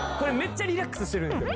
リラックスしてるんすよ。